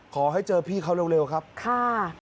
ขอให้เจอพี่เขาเร็วครับค่ะ